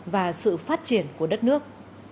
và sự phát triển của đất nước